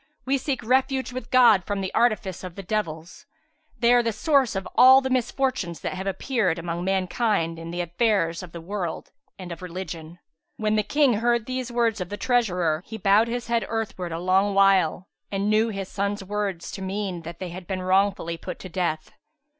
We seek refuge with God from the artifice of the devils. They are the source of all the misfortunes that have appeared among mankind in the affairs of the world and of religion.'''[FN#373] When the King heard these words of the treasurer, he bowed his head earthwards, a long while and knew his sons' words to mean that they had been wrongfully put to death.